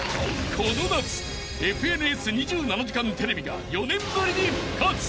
［この夏『ＦＮＳ２７時間テレビ』が４年ぶりに復活！］